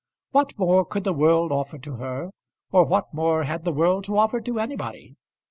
What more could the world offer to her, or what more had the world to offer to anybody?